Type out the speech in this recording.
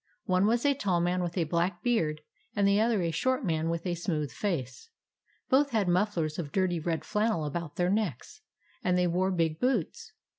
One was a tall man with a black beard, and the other a short man with a smooth face. Both had mufflers of dirty red flannel about their necks, and they wore big boots.